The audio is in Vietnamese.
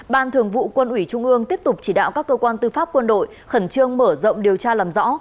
ban thường vụ quân ủy trung ương tiếp tục chỉ đạo các cơ quan tư pháp quân đội khẩn trương mở rộng điều tra làm rõ